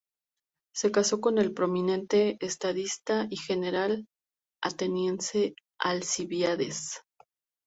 Se casó con el prominente estadista y general ateniense Alcibíades.